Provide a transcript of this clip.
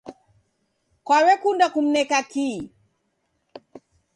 Kaw'ekunda kumneka kii?